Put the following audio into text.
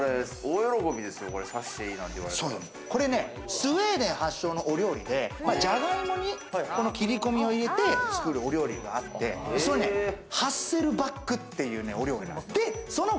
これね、スウェーデン発祥のお料理で、ジャガイモに切込みを入れて作るお料理があって、それね、ハッセルバックっていうお料理なんです。